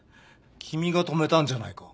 君が止めたんじゃないか。